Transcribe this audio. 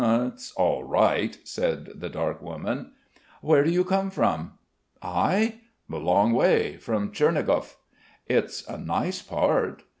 "It's all right," said the dark woman. "Where do you come from?" "I? A long way. From Tchernigov." "It's a nice part."